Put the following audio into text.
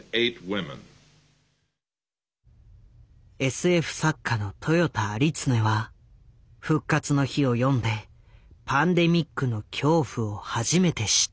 ＳＦ作家の豊田有恒は「復活の日」を読んでパンデミックの恐怖を初めて知った。